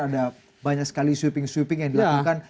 ada banyak sekali sweeping sweeping yang dilakukan